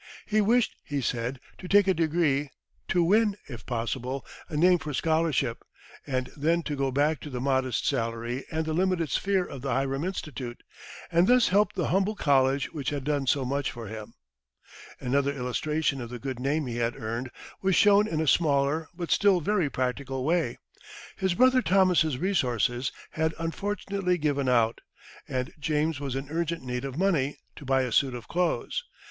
He wished, he said, to take a degree, to win, if possible, a name for scholarship; and then to go back to the modest salary and the limited sphere of the Hiram Institute, and thus help the humble college which had done so much for him. Another illustration of the good name he had earned was shown in a smaller, but still very practical way. His brother Thomas's resources had unfortunately given out, and James was in urgent need of money to buy a suit of clothes.